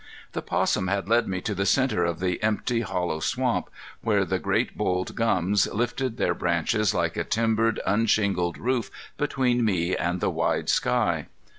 The 'possum had led me to the centre of the empty, hollow swamp, where the great boled gums lifted their branches like a timbered, unshingled roof between me and the wide sky.